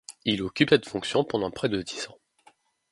Il occupe cette fonction pendant près de dix ans.